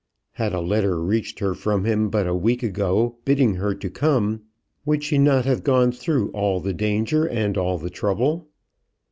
Had a letter reached her from him but a week ago bidding her to come, would she not have gone through all the danger and all the trouble?